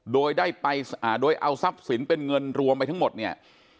โดยได้ไปโดยเอาทรัพย์สินเป็นเงินรวมไปทั้งหมดเนี่ย